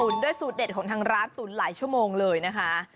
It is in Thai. ด้วยสูตรเด็ดของทางร้านตุ๋นหลายชั่วโมงเลยนะคะ